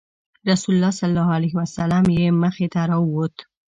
رسول الله صلی الله علیه وسلم یې مخې ته راووت.